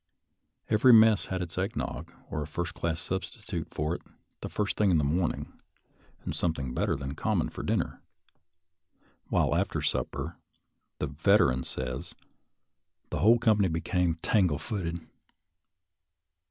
Every mess had its egg nog, or a first class substitute for it, the first thing in the morning, and something better than common for dinner, while after supper, the Veteran says, the whole company became " tangle footed."